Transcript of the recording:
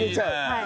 はい。